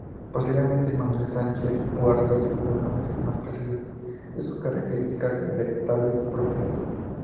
Posteriormente, Manuel Sanchis Guarner hizo un análisis más preciso de sus características dialectales propias.